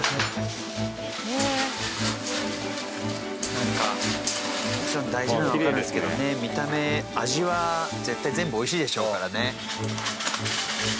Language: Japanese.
なんかもちろん大事なのはわかるんですけどね見た目味は絶対全部美味しいでしょうからね。